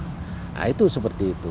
nah itu seperti itu